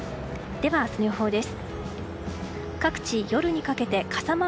では、明日の予報です。